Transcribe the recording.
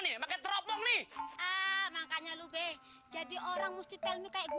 nah be alhamdulillah gua dipilih orang telmi